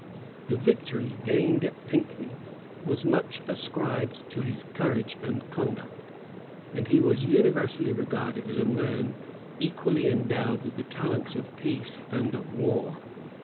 The victory gained at Pinkey was much ascribed to his courage and conduct; and he was universally regarded as a man equally endowed with the talents of peace and of war.